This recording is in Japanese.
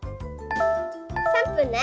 ３分ね！